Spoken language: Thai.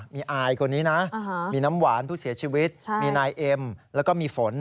มีอายคนนี้นะมีน้ำหวานผู้เสียชีวิตมีนายเอ็มแล้วก็มีฝน